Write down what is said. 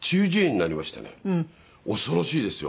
恐ろしいですよ。